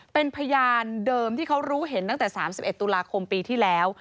เป็นพยานเดิมที่เขารู้เห็นตั้งแต่๓๑ตุลาคมปีที่แล้ว